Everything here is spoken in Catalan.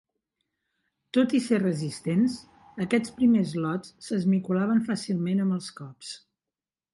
Tot i ser resistents, aquests primers lots s'esmicolaven fàcilment amb els cops.